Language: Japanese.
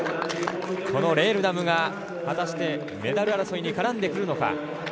このレールダムがメダル争いに絡んでくるのか。